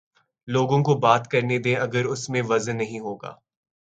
لوگوں کو بات کر نے دیں اگر اس میں وزن نہیں ہو گا۔